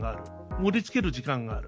盛り付ける時間がある。